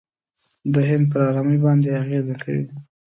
د هند پر آرامۍ باندې اغېزه کوي.